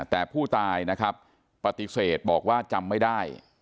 แต่ผู้ตายนะครับปฏิเสธบอกว่าจำไม่ได้